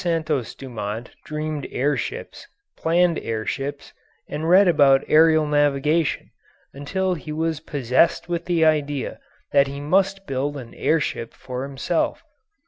] The boy Santos Dumont dreamed air ships, planned air ships, and read about aerial navigation, until he was possessed with the idea that he must build an air ship for himself.